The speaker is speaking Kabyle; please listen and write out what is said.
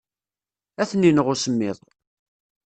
Ad ten-ineɣ usemmiḍ.